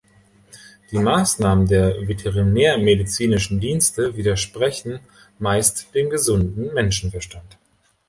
Die Maßnahmen der veterinärmedizinischen Dienste widersprechen meist dem gesunden Menschenverstand.